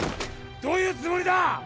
どういうつもりだ！